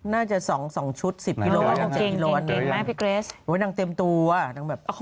น่ารักเนอะเอาตังให้๒๐๐บาท